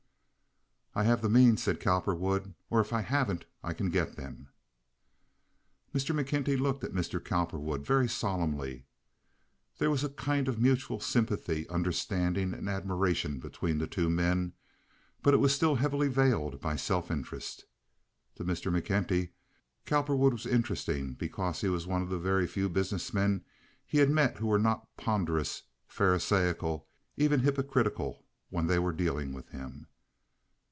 "I have the means," said Cowperwood, "or if I haven't I can get them." Mr. McKenty looked at Mr. Cowperwood very solemnly. There was a kind of mutual sympathy, understanding, and admiration between the two men, but it was still heavily veiled by self interest. To Mr. McKenty Cowperwood was interesting because he was one of the few business men he had met who were not ponderous, pharasaical, even hypocritical when they were dealing with him.